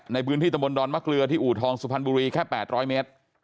ในพื้นที่ตะบนดอนมะเกลือที่อู่ทองสุพรรณบุรีแค่๘๐๐เมตร